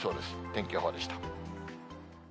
天気予報でした。